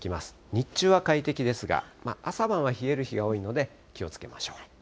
日中は快適ですが、朝晩は冷える日が多いので、気をつけましょう。